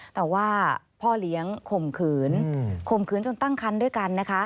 แต่ว่าพ่อเลี้ยงข่มขืนข่มขืนจนตั้งคันด้วยกันนะคะ